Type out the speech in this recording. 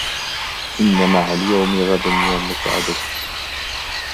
إن مع اليوم غدا يا مسعدة